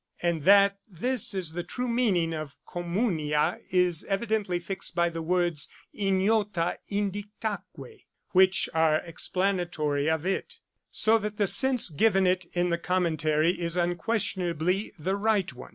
And that this is the true meaning of communia is evidently fixed by the words ignota indictaque, which are explanatory of it; so that the sense given it in the commentary is unquestionably the right one.